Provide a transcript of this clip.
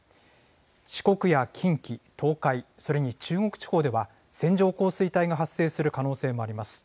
四国や近畿、東海、それに中国地方では、線状降水帯が発生する可能性もあります。